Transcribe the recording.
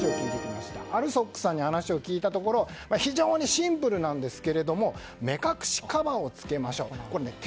ＡＬＳＯＫさんに話を聞いたところ非常にシンプルなんですけれども目隠しカバーをつけましょうと。